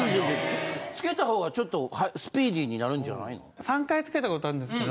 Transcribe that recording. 付けた方がちょっとスピーディーになるんじゃないの？